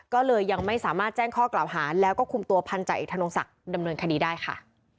ก็เลยยังไม่สามารถแจ้งข้อกล่าวหาแล้วก็คุมตัวพันธาเอกธนงศักดิ์ดำเนินคดีได้ค่ะ